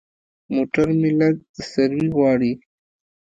موټر مې لږ سروي غواړي.